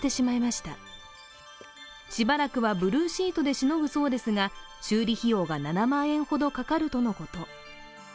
しばらくはブルーシートでしのぐそうですが修理費用が７万円ほどかかるとのこと。